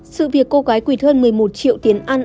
sự việc cô gái quỳt hơn một mươi một triệu tiền ăn